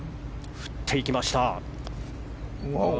振っていきました。